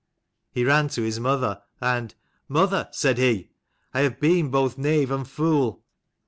He ran to his mother, and " Mother," said he, " I have been both knave and fool."